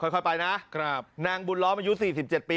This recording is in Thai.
ค่อยไปนะนางบุญล้อมอายุ๔๗ปี